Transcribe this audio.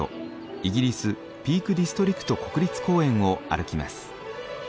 イギリスピークディストリクト国立公園を歩きます。